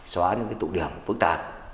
xóa những tụ điểm phức tạp